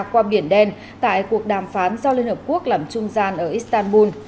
qua biển đen tại cuộc đàm phán do liên hợp quốc làm trung gian ở istanbul